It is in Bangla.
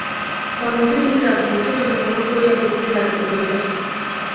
তন্মধ্যে তুমি রাজবংশে জন্ম গ্রহণ করিয়া পৃথিবীর রাজত্ব করিতেছ।